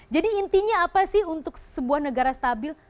jadi intinya apa sih untuk sebuah negara stabil